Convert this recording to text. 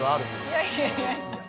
いやいやいやいや。